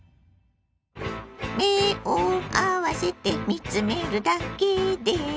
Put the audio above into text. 目を合わせて見つめるだけでＵＦＯ